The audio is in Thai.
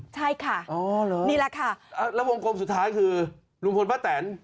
ใช่ค่ะแล้ววงกลมสุดท้ายก็คือภรรยาบรุงผลพระแต่น